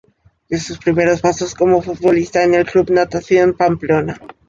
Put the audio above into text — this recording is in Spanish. Dio sus primeros pasos como futbolista en el Club Natación Pamplona.